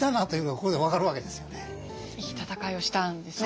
いい戦いをしたんですね。